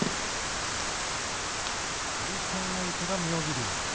対戦相手は妙義龍。